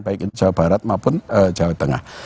baik jawa barat maupun jawa tengah